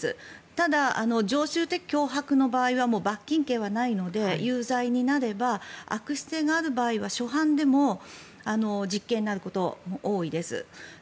ただ、常習的脅迫の場合は罰金刑はないので有罪になれば悪質性がある場合は初犯でも実刑になることも多いです。